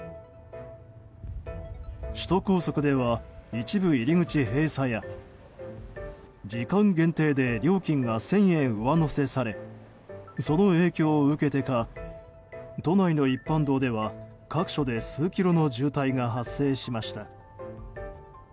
首都高速では一部入り口閉鎖や時間限定で料金が１０００円上乗せされその影響を受けてか都内の一般道では各所で数キロの渋滞が発生しました。